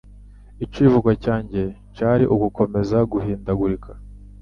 Icivugo cyanjye cari ugukomeza guhindagurika.